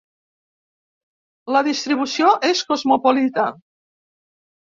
La distribució és cosmopolita.